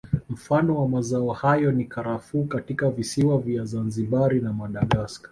Mfano wa mazao hayo ni Karafuu katika visiwa vya Zanzibari na Madagascar